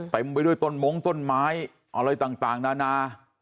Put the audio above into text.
เต็มไปด้วยต้นมงต้นไม้อะไรต่างนานา